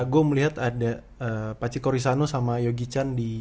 gua melihat ada pace corisano sama yogi chan